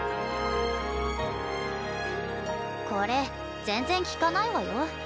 これ全然効かないわよ？